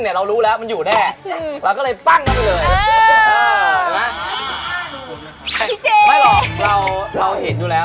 แหละถ้ามันแจ้งคอดที่ผมนี้มันน่าจะใช้ได้